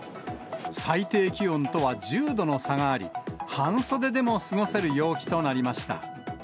最低気温とは１０度の差があり、半袖でも過ごせる陽気となりました。